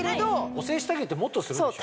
補整下着ってもっとするでしょ？